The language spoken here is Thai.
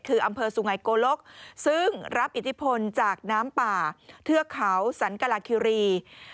คืออำเภอสุไงโกลกซึ่งรับอิทธิพลจากน้ำป่าเทือกเขาสันกลาคิรี